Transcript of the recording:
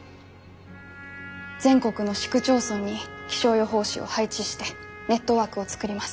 全国の市区町村に気象予報士を配置してネットワークを作ります。